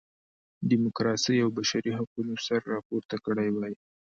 ډیموکراسۍ او بشري حقونو سر راپورته کړی وای.